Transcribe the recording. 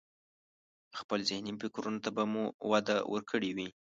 خپل ذهني فکرونو ته به مو وده ورکړي وي.